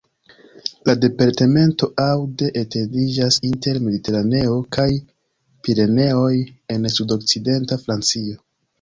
La departemento Aude etendiĝas inter Mediteraneo kaj Pireneoj en sud-okcidenta Francio.